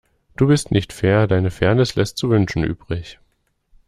Du bist nicht fair, deine Fairness lässt zu wünschen übrig.